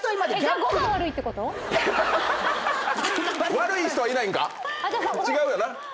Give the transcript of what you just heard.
悪い人はいないんか⁉違うよな。